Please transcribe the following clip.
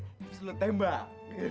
terus lo tembak